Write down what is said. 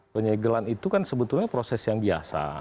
penyegelan itu kan sebetulnya proses yang biasa